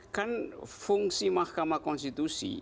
kan fungsi mahkamah konstitusi